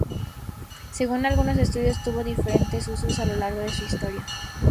Según algunos estudios tuvo diferentes usos a lo largo de su historia.